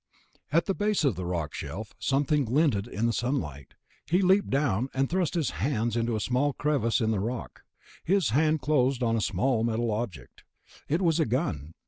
At the base of the rock shelf, something glinted in the sunlight. He leaped down, and thrust his hand into a small crevice in the rock. His hand closed on a small metal object. It was a gun.